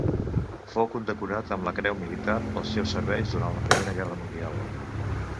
Fou condecorat amb la Creu Militar pels seus serveis durant la Primera Guerra Mundial.